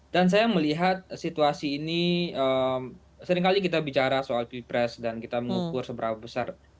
dan saya melihat situasi ini seringkali kita bicara soal ppres dan kita mengukur seberapa besar